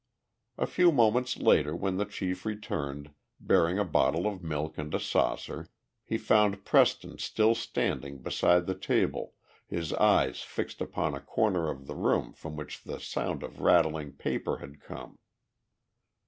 A few moments later, when the chief returned, bearing a bottle of milk and a saucer, he found Preston still standing beside the table, his eyes fixed upon a corner of the room from which the sound of rattling paper had come.